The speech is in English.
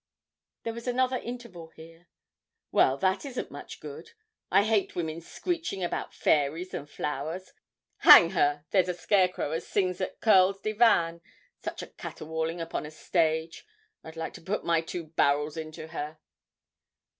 There was another interval here. 'Well, that isn't much good. I hate women's screechin' about fairies and flowers. Hang her! there's a scarecrow as sings at Curl's Divan. Such a caterwauling upon a stage! I'd like to put my two barrels into her.'